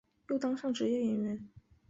又当上职业演员。